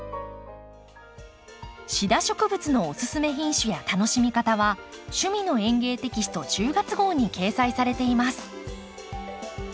シダ植物のおすすめ品種や楽しみ方は「趣味の園芸」テキスト１０月号に掲載されています。